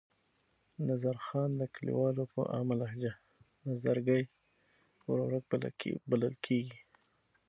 نظرخان د کلیوالو په عامه لهجه نظرګي ورورک بلل کېږي.